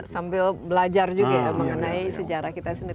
sambil belajar juga ya mengenai sejarah kita sendiri